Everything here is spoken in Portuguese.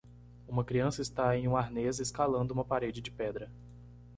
Uma criança está em um arnês escalando uma parede de pedra.